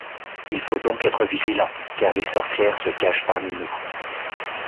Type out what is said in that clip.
Il faut donc être vigilant, car les sorcières se cachent parmi nous...